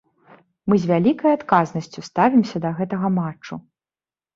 Мы з вялікай адказнасцю ставімся да гэтага матчу.